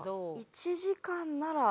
１時間ならって。